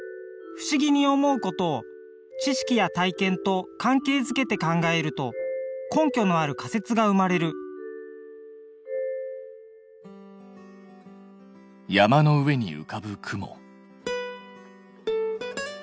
不思議に思うことを知識や体験と関係づけて考えると根拠のある仮説が生まれる山の上にうかぶ雲。